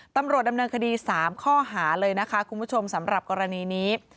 ตำรวจดำเนินคดี๓ข้อหาเลยนะคะคุณผู้ชมสำหรับกรณีนี้